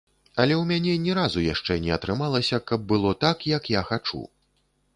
Але ў мяне ні разу яшчэ не атрымалася каб было так, як я хачу.